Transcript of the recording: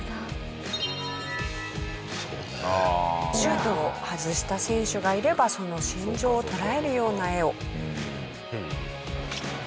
シュートを外した選手がいればその心情を捉えるような画を。